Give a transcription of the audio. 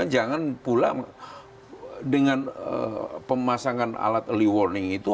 jangan pula dengan pemasangan alat early warning itu